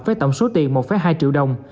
với tổng số tiền một hai triệu đồng